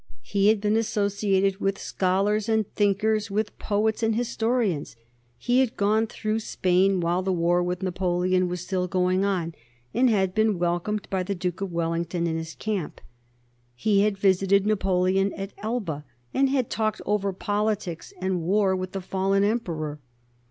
He had been associated with scholars and thinkers, with poets and historians. He had gone through Spain while the war with Napoleon was still going on, and had been welcomed by the Duke of Wellington in his camp. He had visited Napoleon at Elba, and had talked over politics and war with the fallen Emperor.